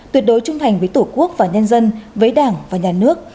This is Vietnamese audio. tuyệt đối trung thành với tổ quốc và nhân dân với đảng và nhà nước